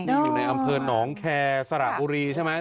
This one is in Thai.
อยู่ในอำเภอหนองแคร์สระบุรีใช่ไหม